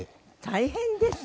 大変ですね！